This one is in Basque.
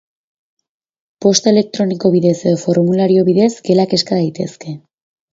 Posta elektroniko bidez edo formulario bidez gelak eska daitezke.